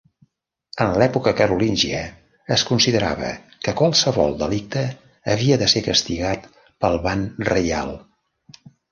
En l'època carolíngia, es considerava que qualsevol delicte havia d'ésser castigat pel ban reial.